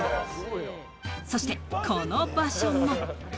そしてこの場所が。